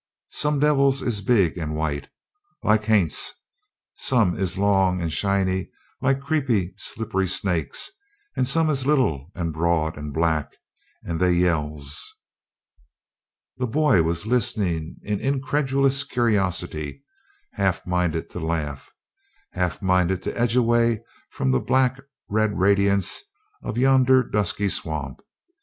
Some devils is big and white, like ha'nts; some is long and shiny, like creepy, slippery snakes; and some is little and broad and black, and they yells " The boy was listening in incredulous curiosity, half minded to laugh, half minded to edge away from the black red radiance of yonder dusky swamp.